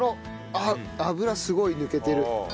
あっ油すごい抜けてる。